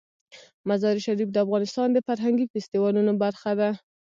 مزارشریف د افغانستان د فرهنګي فستیوالونو برخه ده.